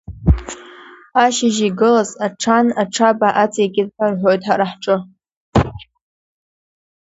Ашьыжь игылаз, аҽан аҽаба аҵеикит ҳәа, рҳәоит ҳара ҳҿы…